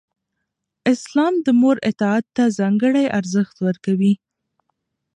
اسلام د مور اطاعت ته ځانګړی ارزښت ورکوي.